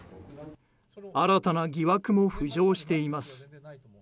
新たな疑惑も浮上しています。